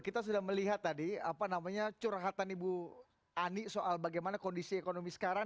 kita sudah melihat tadi apa namanya curhatan ibu ani soal bagaimana kondisi ekonomi sekarang